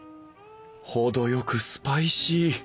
程よくスパイシー。